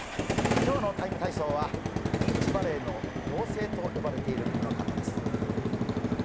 今日の「ＴＩＭＥ，体操」はビーチバレーの妖精と呼ばれているこの方です。